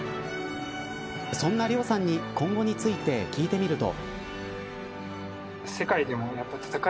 そんな綾さんに今後について聞いてみると。